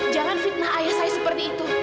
jangan fitnah ayah saya seperti itu